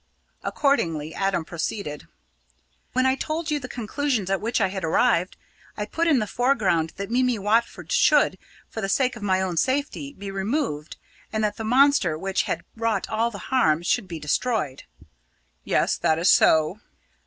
Accordingly Adam proceeded: "When I told you the conclusions at which I had arrived, I put in the foreground that Mimi Watford should, for the sake of her own safety, be removed and that the monster which had wrought all the harm should be destroyed." "Yes, that is so."